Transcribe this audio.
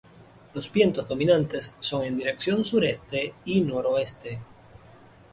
Los vientos dominantes son en dirección sureste y noroeste.